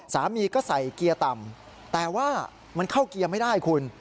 สามีก็ใส่เกียร์ต่ำแต่ว่ามันเข้าเกียร์ไม่ได้คุณ